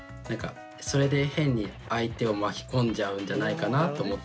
それで変に相手を巻き込んじゃうんじゃないかなと思っちゃったりするし。